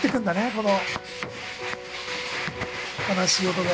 この悲しい音が。